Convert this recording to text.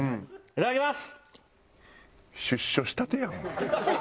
いただきます！